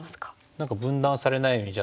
何か分断されないようにじゃあ